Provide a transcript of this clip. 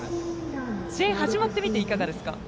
試合が始まってみていかがですか？